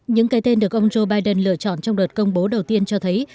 những cái tên được ông joe biden lựa chọn trong đợt công bố đầu tiên cho thấy